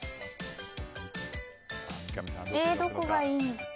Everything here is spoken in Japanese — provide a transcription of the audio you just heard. どこがいい？